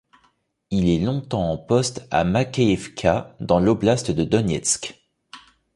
Il est longtemps en poste à Makeïevka dans l'oblast de Donetsk.